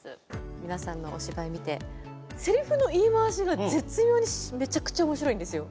皆さんのお芝居見てせりふの言い回しが絶妙にめちゃくちゃ面白いんですよ。